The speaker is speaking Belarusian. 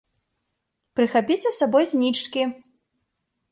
Прыхапіце з сабой знічкі!